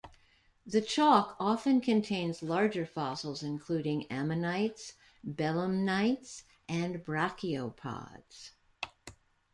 The chalk often contains larger fossils including ammonites, belemnites and brachiopods.